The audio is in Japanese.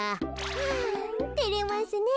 はあてれますねえ。